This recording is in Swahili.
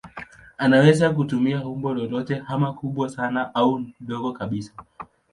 Anaweza kutumia umbo lolote ama kubwa sana au dogo kabisa.